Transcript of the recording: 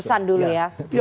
tujuh ratus an dulu ya